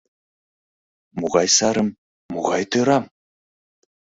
Могай сарым, могай тӧрам?